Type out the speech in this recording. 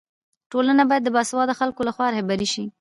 ټولنه باید د باسواده خلکو لخوا رهبري سي.